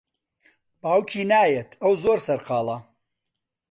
باوکی نایەت، ئەو زۆر سەرقاڵە.